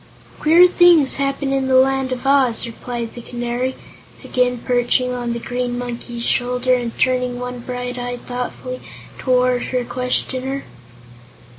"Queer things happen in the Land of Oz," replied the Canary, again perching on the Green Monkey's shoulder and turning one bright eye thoughtfully toward her questioner.